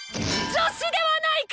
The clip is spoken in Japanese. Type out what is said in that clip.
女子ではないか！